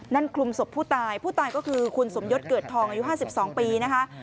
คลุมศพผู้ตายผู้ตายก็คือคุณสมยศเกิดทองอายุ๕๒ปีนะคะ